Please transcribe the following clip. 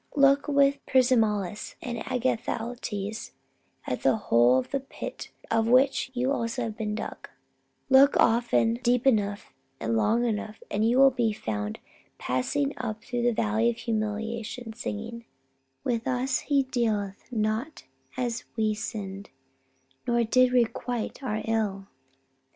Look with Primislaus and Agathocles at the hole of the pit out of which you also have been dug; look often enough, deep enough, and long enough, and you will be found passing up through the Valley of Humiliation singing: "With us He dealt not as we sinn'd, Nor did requite our ill!"